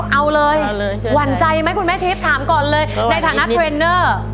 เอาเลยหวั่นใจไหมคุณแม่ทิพย์ถามก่อนเลยในฐานะเทรนเนอร์